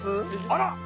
あら！